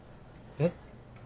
えっ？